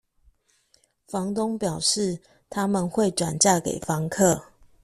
房東表示，他們會轉嫁給房客